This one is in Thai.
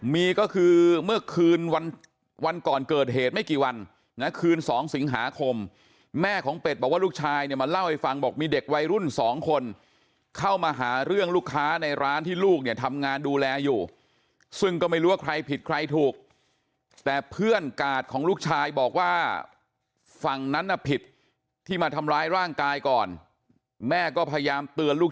มีก็คือเมื่อคืนวันก่อนเกิดเหตุไม่กี่วันนะคืน๒สิงหาคมแม่ของเป็ดบอกว่าลูกชายเนี่ยมาเล่าให้ฟังบอกมีเด็กวัยรุ่นสองคนเข้ามาหาเรื่องลูกค้าในร้านที่ลูกเนี่ยทำงานดูแลอยู่ซึ่งก็ไม่รู้ว่าใครผิดใครถูกแต่เพื่อนกาดของลูกชายบอกว่าฝั่งนั้นน่ะผิดที่มาทำร้ายร่างกายก่อนแม่ก็พยายามเตือนลูก